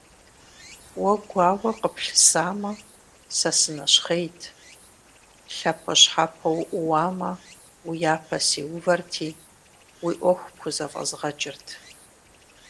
Уэ гуауэ къыплъысамэ, сэ сынэщхъейт, лъэпощхьэпо уӀууамэ, уи япэ сиувэрти, уи Ӏуэху пхузэфӀэзгъэкӀырт.